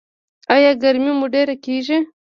ایا ګرمي مو ډیره کیږي؟